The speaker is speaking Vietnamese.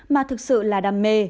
mà thực sự là đam mê